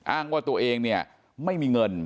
อ้างว่าตัวเองเนี่ยไม่มีเงิน